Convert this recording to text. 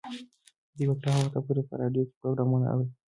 دوی به تر هغه وخته پورې په راډیو کې پروګرامونه اوري.